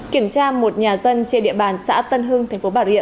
kiểm tra một nhà dân trên địa bàn xã tân hưng thành phố bảo hiệm